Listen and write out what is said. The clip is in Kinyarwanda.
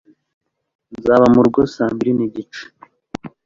nzaba murugo saa mbiri nigice